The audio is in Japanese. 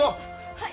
はい！